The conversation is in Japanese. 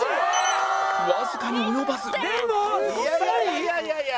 いやいやいやいや！